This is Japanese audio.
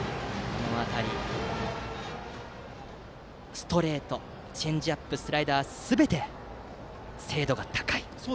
ストレート、チェンジアップスライダーすべて精度が高い。